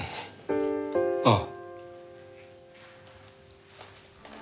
ああ。